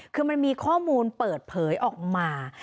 คือมันมีข้อมูลเปิดเผยออกมา